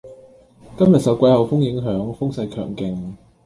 今日受季候風影響，風勢清勁